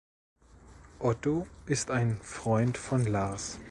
Otto ist ein Freund von Lars.